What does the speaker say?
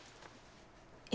え？